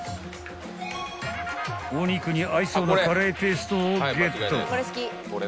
［お肉に合いそうなカレーペーストをゲット］